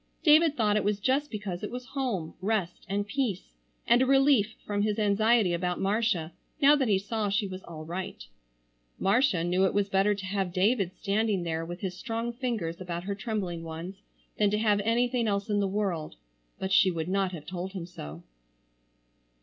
David thought it was just because it was home, rest, and peace, and a relief from his anxiety about Marcia now that he saw she was all right. Marcia knew it was better to have David standing there with his strong fingers about her trembling ones, than to have anything else in the world. But she would not have told him so.